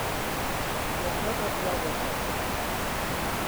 Ik wit net oft hja wol komt.